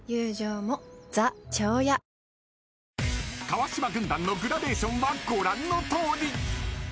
［川島軍団のグラデーションはご覧のとおり］